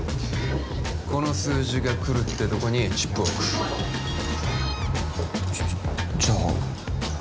この数字がくるってとこにチップを置くじゃじゃ